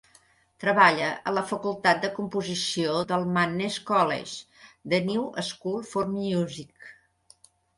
Treballa a la facultat de composició del Mannes College The New School for Music.